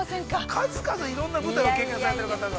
◆数々いろんなことを経験されている方が。